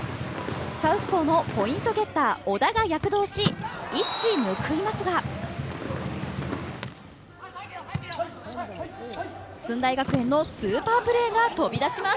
サウスポーのポイントゲッター小田が躍動し、一矢報いますが駿台学園のスーパープレーが飛び出します。